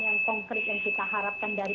yang konkret yang kita harapkan dari